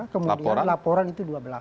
kemudian laporan itu dua belas